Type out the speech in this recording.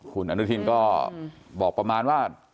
คุณอนุทินก็บอกประมาณว่า